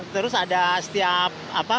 terus ada setiap